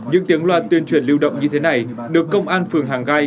những tiếng loa tuyên truyền lưu động như thế này được công an phường hàng gai